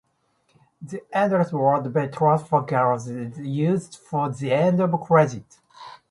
The Endless World by Transfer Girls is used for the end credits.